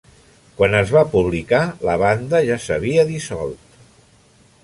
Quan es va publicar la banda ja s'havia dissolt.